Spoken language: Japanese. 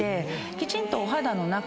きちんと。